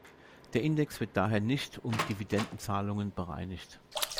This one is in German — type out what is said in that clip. Der Index wird daher nicht um Dividendenzahlungen bereinigt.